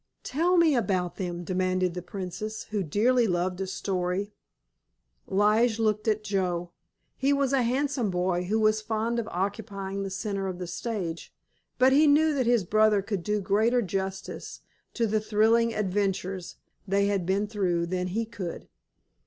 "Tell me about them," demanded the Princess, who dearly loved a story. Lige looked at Joe. He was a handsome boy, who was fond of occupying the centre of the stage, but he knew that his brother could do greater justice to the thrilling adventures they had been through than he could.